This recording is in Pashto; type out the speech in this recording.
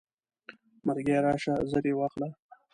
مرګیه راشه زر یې واخله.